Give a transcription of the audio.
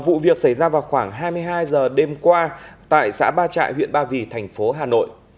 vụ việc xảy ra vào khoảng hai mươi hai h đêm qua tại xã ba trại huyện ba vì thành phố hà nội